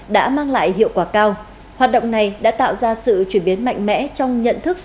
đã mang lại hiệu quả cao hoạt động này đã tạo ra sự chuyển biến mạnh mẽ trong nhận thức